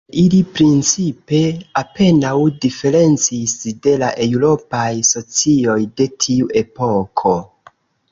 Tiel, ili principe apenaŭ diferencis de la eŭropaj socioj de tiu epoko.